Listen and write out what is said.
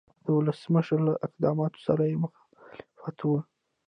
د ولسمشر له اقداماتو سره یې مخالفت و.